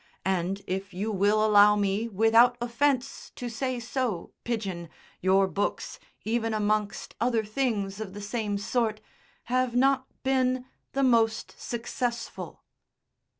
And, if you will allow me, without offence, to say so, Pidgen, your books, even amongst other things of the same sort, have not been the most successful."